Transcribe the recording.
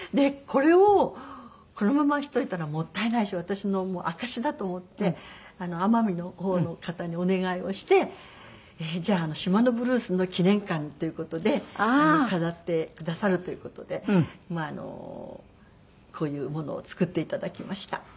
これをこのままにしといたらもったいないし私の証しだと思って奄美のほうの方にお願いをしてじゃあ『島のブルース』の記念館という事で飾ってくださるという事でこういうものを造って頂きました。